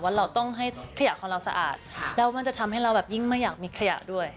เราต้องให้ขยะของเราสะอาดแล้วมันจะทำให้เราแบบยิ่งไม่อยากมีขยะด้วย